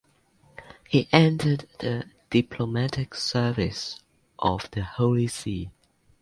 He entered the diplomatic service of the Holy See.